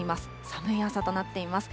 寒い朝となっています。